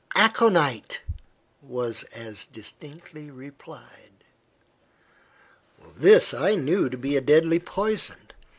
"Aconite," was as distinctly replied. This I knew to be a deadly poison.